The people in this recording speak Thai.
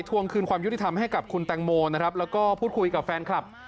วงคืนความยุติธรรมให้กับคุณแตงโมนะครับแล้วก็พูดคุยกับแฟนคลับ